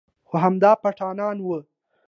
خو همدا پټانان و.